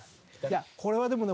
これはでもね